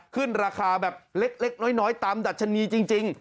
ขึ้นราคาแบบเล็กน้อยตามดัชนีจริง